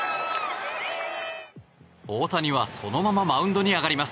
大谷はそのままマウンドに上がります。